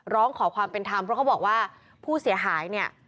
ร้องขอความเป็นธรรมเพราะเขาบอกว่าผู้เสียหายเนี่ย